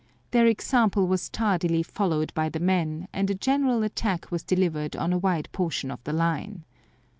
Their example was tardily followed by the men and a general attack was delivered on a wide portion of the line.